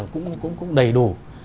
cũng đầy đủ